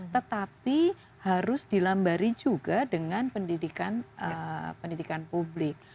tetapi harus dilambari juga dengan pendidikan publik